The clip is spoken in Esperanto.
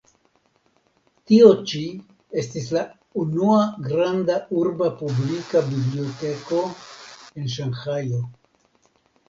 Tio ĉi estis la unua granda urba publika biblioteko en Ŝanhajo.